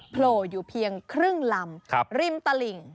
โผล่อยู่เพียงครึ่งลำริมตลิ่ง